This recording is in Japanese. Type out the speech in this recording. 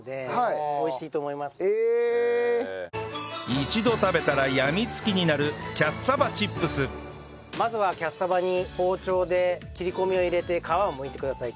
一度食べたらやみつきになるまずはキャッサバに包丁で切り込みを入れて皮をむいてください。